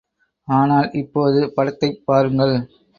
ஆனால் இப்போது படத்தைப் பாருங்கள்.